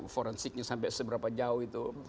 forensiknya sampai seberapa jauh itu